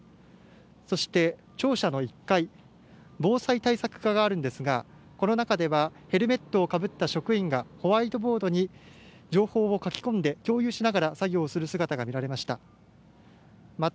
そして、庁舎の１階、防災対策課があるんですがこの中ではヘルメットをかぶった職員がホワイトボードに情報を書き込んで共有しながら作業する姿が見られました。